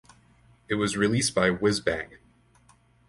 It was released by Wizbang!